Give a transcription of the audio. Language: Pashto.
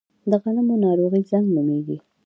د غنمو ناروغي زنګ نومیږي.